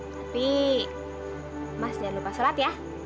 tapi mas jangan lupa sholat ya